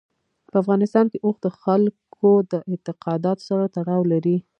په افغانستان کې اوښ د خلکو د اعتقاداتو سره تړاو لري.